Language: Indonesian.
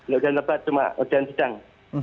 hujan lebat cuma hujan sedang